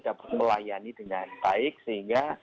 dapat melayani dengan baik sehingga